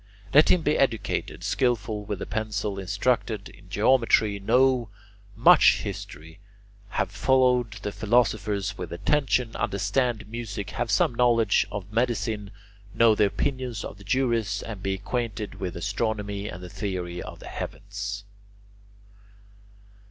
Let him be educated, skilful with the pencil, instructed in geometry, know much history, have followed the philosophers with attention, understand music, have some knowledge of medicine, know the opinions of the jurists, and be acquainted with astronomy and the theory of the heavens.